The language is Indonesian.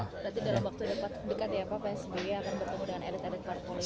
berarti dalam waktu dekat ya pak asb akan bertemu dengan edit edit partai politik